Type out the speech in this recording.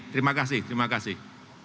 terima kasih terima kasih